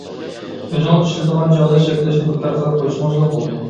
ئۆزىڭىز ئىشلىتىدىغان چاغدا چەكلەشنى بىكار قىلىپ قويسىڭىزلا بولدى.